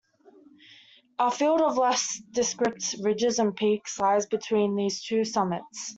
A field of less descript ridges and peaks lies between these two summits.